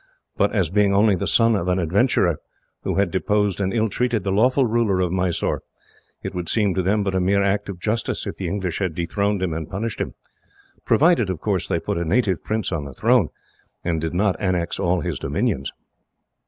But, as being only the son of an adventurer, who had deposed and ill treated the lawful ruler of Mysore, it would seem to them but a mere act of justice, if the English had dethroned him and punished him provided, of course, they put a native prince on the throne, and did not annex all his dominions.